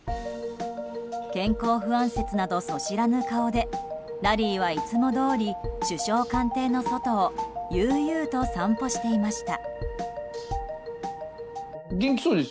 健康不安説など素知らぬ顔でラリーはいつもどおり首相官邸の外を悠々と散歩していました。